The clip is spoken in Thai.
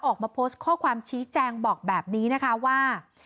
ออกมาโพสต์ข้อความชี้แจงบอกแบบนี้นะคะว่า